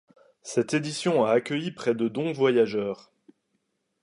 Cette édition a accueilli près de dont voyageurs.